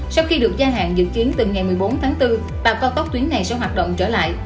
sau khi được gia hạn dự kiến từ ngày một mươi bốn tháng bốn tàu cao tốc tuyến này sẽ hoạt động trở lại